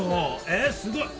えすごい！